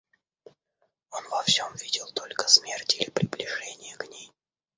Он во всем видел только смерть или приближение к ней.